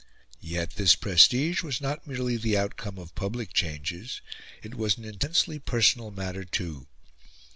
Yet this prestige was not merely the outcome of public changes; it was an intensely personal matter, too.